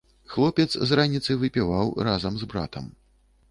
Хлопец з раніцы выпіваў разам з братам.